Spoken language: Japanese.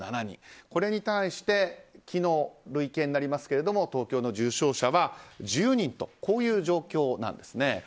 これに対して昨日、累計になりますが東京の重症者は１０人とこういう状況なんです。